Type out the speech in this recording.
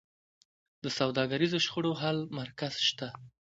د سوداګریزو شخړو حل مرکز شته؟